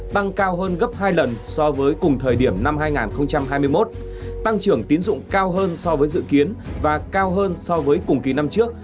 tăng trưởng tiến dụng cao hơn so với dự kiến và cao hơn so với cùng kỳ năm trước